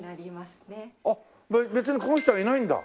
あっ別にこの人はいないんだ。